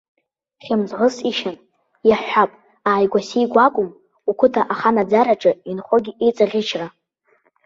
Хьымӡӷыс ишьан, иаҳҳәап, ааигәа-сигәа акәым, уқыҭа аханаӡараҿы инхогьы иҵаӷьычра.